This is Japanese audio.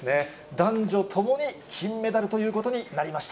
男女ともに、金メダルということになりました。